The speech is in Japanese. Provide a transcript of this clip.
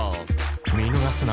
見逃すな！